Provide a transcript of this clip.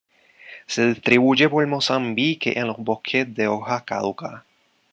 Se distribuye por Mozambique en los bosques de hoja caduca.